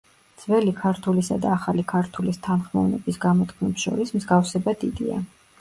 ძველი ქართულისა და ახალი ქართულის თანხმოვნების გამოთქმებს შორის მსგავსება დიდია.